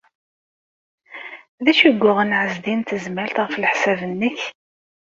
D acu ay yuɣen Ɛezdin n Tezmalt, ɣef leḥsab-nnek?